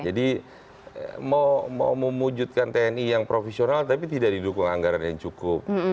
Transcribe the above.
jadi mau memujudkan tni yang profesional tapi tidak didukung anggaran yang cukup